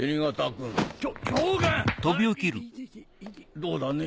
どうだね？